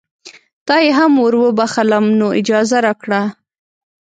تا یې هم وروبخښلم نو اجازه راکړه.